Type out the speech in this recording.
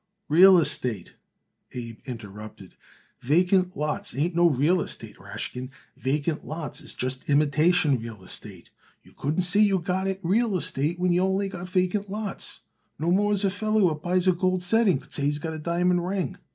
"Real estate!" Abe interrupted. "Vacant lots ain't no real estate, Rashkin. Vacant lots is just imitation real estate. You couldn't say you got it real estate when you only got vacant lots, no more as a feller what buys a gold setting could say he's got it a diamond ring."